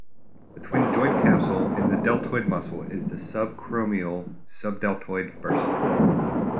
Between the joint capsule and the deltoid muscle is the subacromial-subdeltoid bursa.